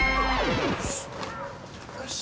よし。